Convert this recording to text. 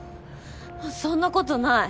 そんなことない。